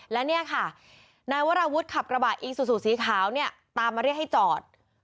แล้วนี้ค่ะนายวราวุธขับกระบะอิงสุติสวิสีขาวเนี่ยตามมาเรียกให้จอด